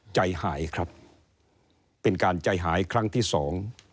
ใจหายครับเป็นการใจหายครั้งที่สอง